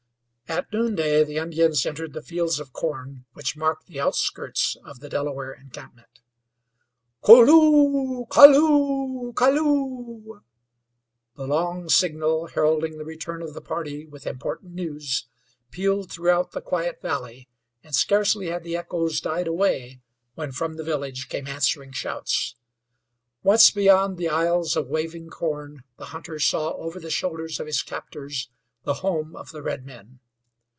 At noonday the Indians entered the fields of corn which marked the outskirts of the Delaware encampment. "Kol loo kol loo kol loo." The long signal, heralding the return of the party with important news, pealed throughout the quiet valley; and scarcely had the echoes died away when from the village came answering shouts. Once beyond the aisles of waving corn the hunter saw over the shoulders of his captors the home of the redmen.